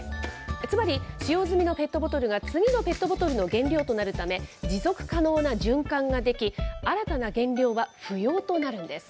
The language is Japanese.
つまり、使用済みのペットボトルが次のペットボトルの原料となるため、持続可能な循環が出来、新たな原料は不要となるんです。